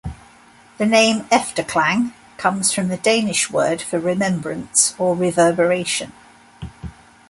The name "Efterklang" comes from the Danish word for "remembrance" or "reverberation.